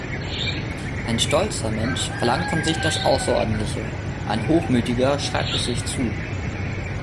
Ein stolzer Mensch verlangt von sich das Außerordentliche, ein hochmütiger schreibt es sich zu.